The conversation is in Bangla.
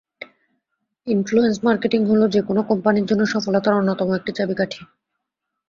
ইনফ্লুয়েন্স মার্কেটিং হল যে কোন কোম্পানির জন্য সফলতার অন্যতম একটি চাবিকাঠি।